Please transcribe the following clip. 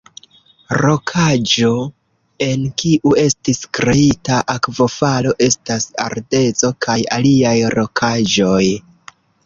Rokaĵo en kiu estis kreita akvofalo estas ardezo kaj aliaj rokaĵoj.